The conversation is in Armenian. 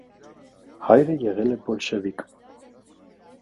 Հայրը եղել է բոլշևիկ։